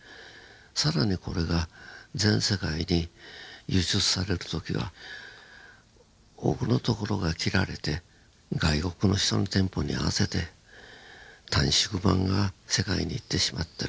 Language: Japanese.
更にこれが全世界に輸出される時は多くの所が切られて外国の人のテンポに合わせて短縮版が世界に行ってしまってる。